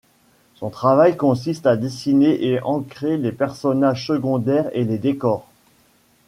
Son travail consiste à dessiner et encrer les personnages secondaires et les décors.